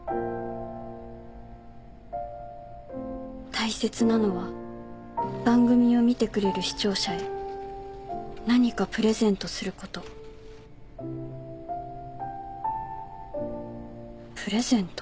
「大切なのは番組を見てくれる視聴者へ何かプレゼントすること」プレゼント？